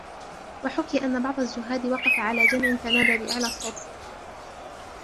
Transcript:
وَحُكِيَ أَنَّ بَعْضَ الزُّهَّادِ وَقَفَ عَلَى جَمْعٍ فَنَادَى بِأَعْلَى صَوْتِهِ